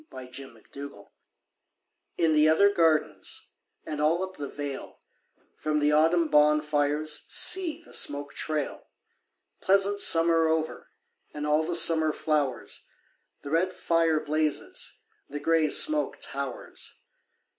VI Autumn Fires In the other gardens And all up the vale, From the autumn bonfires See the smoke trail! Pleasant summer over And all the summer flowers, The red fire blazes, The grey smoke towers.